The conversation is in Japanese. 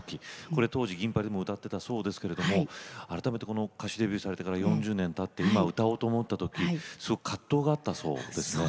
これ当時銀巴里でも歌ってたそうですけれども改めて歌手デビューされてから４０年たって今歌おうと思った時すごく葛藤があったそうですね。